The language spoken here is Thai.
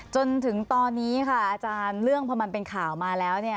จนถึงตอนนี้ค่ะอาจารย์เรื่องพอมันเป็นข่าวมาแล้วเนี่ย